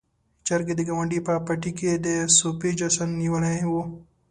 چرګې د ګاونډي په پټي کې د سوبې جشن نيولی و.